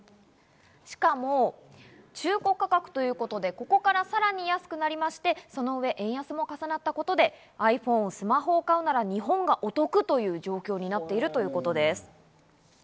しかも中古価格ということで、ここからさらに安くなりまして、その上、円安も重なったことで、ｉＰｈｏｎｅ・スマホを買うなら日本がお得という状況になっているということです。